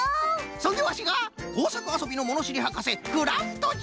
そんでワシがこうさくあそびのものしりはかせクラフトじゃ！